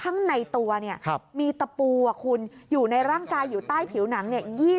มีตะปูอยู่ในร่างกายอยู่ใต้ผิวหนัง๒๗ตัว